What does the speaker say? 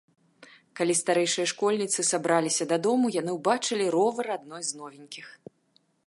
Калі старэйшыя школьніцы сабраліся дадому, яны ўбачылі ровар адной з новенькіх.